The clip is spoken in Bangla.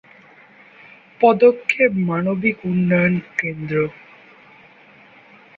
পদক্ষেপ মানবিক উন্নয়ন কেন্দ্র।